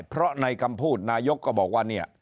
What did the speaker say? เพราะในคำพูดนายกก็บอกว่าเนี่ย